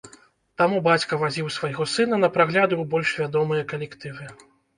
Таму бацька вазіў свайго сына на прагляды ў больш вядомыя калектывы.